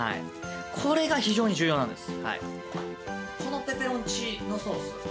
これが非常に重要なんです。